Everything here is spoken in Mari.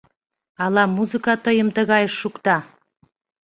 — Ала музыка тыйым тыгайыш шукта?